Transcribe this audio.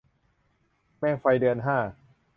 แมงไฟเดือนห้า